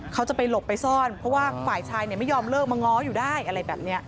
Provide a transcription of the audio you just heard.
เขาจะไปหลบไปซ่อนเพราะว่าฝ่ายชายไม่ยอมเลิกมาง้ออยู่ได้อะไรแบบนี้